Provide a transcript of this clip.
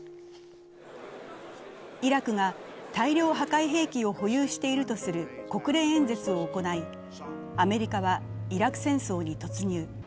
イラクが大量破壊兵器を保有しているとする国連演説を行いアメリカはイラク戦争に突入。